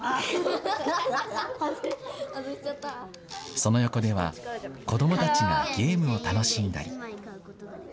その横では、子どもたちがゲームを楽しんだり。